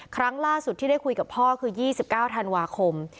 ครั้งล่าสุดที่ได้คุยกับพ่อคือ๒๙ธันวาคม